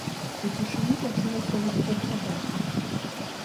У цішыні пачулася выццё сабакі.